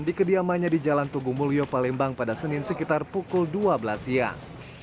di kediamannya di jalan tugu mulyo palembang pada senin sekitar pukul dua belas siang